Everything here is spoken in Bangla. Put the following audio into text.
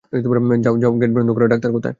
যাও, যাও গেট বন্ধ করো, ডাক্তার কোথায়?